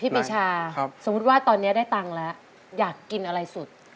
ปีชาสมมุติว่าตอนนี้ได้ตังค์แล้วอยากกินอะไรสุด